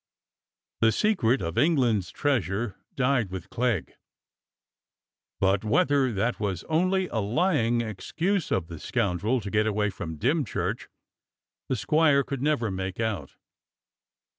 The secret of England's treasure died with Clegg, but whether that was only a lying excuse of the scoundrel to get away from Dymchurch, the squire could never make out.